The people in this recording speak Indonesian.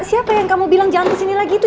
siapa yang kamu bilang jangan kesini lagi tuh